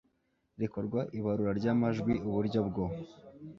rikorwa ibarura ry amajwi uburyo bwo